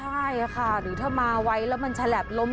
ใช่ค่ะหรือถ้ามาไวแล้วมันฉลับล้ม